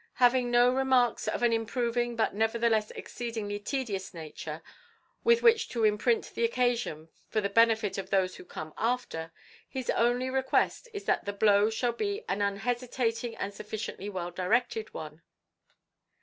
Having no remarks of an improving but nevertheless exceedingly tedious nature with which to imprint the occasion for the benefit of those who come after, his only request is that the blow shall be an unhesitating and sufficiently well directed one."